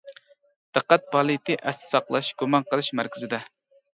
دىققەت پائالىيىتى ئەستە ساقلاش، گۇمان قىلىش مەركىزىدە.